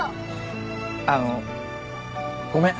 あのごめん。